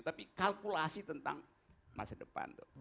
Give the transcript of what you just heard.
tapi kalkulasi tentang masa depan